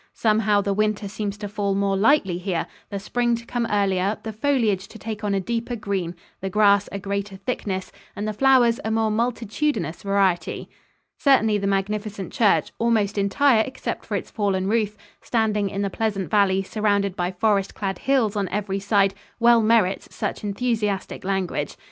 Somehow the winter seems to fall more lightly here, the spring to come earlier, the foliage to take on a deeper green, the grass a greater thickness, and the flowers a more multitudinous variety." Certainly the magnificent church almost entire except for its fallen roof standing in the pleasant valley surrounded by forest clad hills on every side, well merits such enthusiastic language.